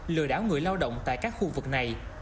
lừa đảo người lao động tại các khu vực này